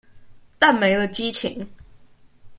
但沒了激情